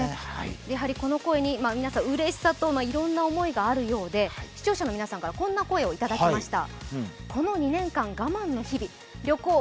やはりこの声に、うれしさといろんな思いがあるようで視聴者の皆さんからこんな声をいただきました。